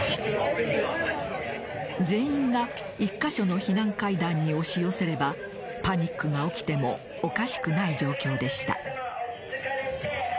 全員が１か所の避難階段に押し寄せればパニックが起きてもおかしくない状況でした。